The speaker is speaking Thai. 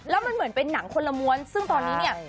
แล้วมันเหมือนเป็นหนังคนละม้วนซึ่งตอนนี้เนี่ย